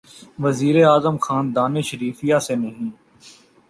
وزیر اعظم خاندان شریفیہ سے نہیں۔